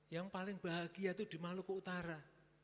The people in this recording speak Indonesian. yang paling bahagia itu di maluku utara